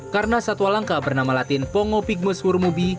karena satu alangkah bernama latin pongo pygmus wurmubi